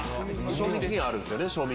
賞味期限があるんですよね。